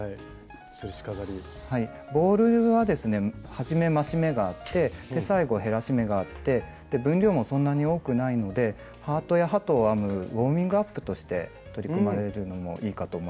ボールはですね初め増し目があって最後減らし目があって分量もそんなに多くないのでハートや鳩を編むウォーミングアップとして取り組まれるのもいいかと思います。